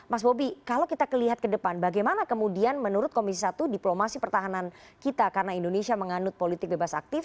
mas bobi kalau kita lihat ke depan bagaimana kemudian menurut komisi satu diplomasi pertahanan kita karena indonesia menganut politik bebas aktif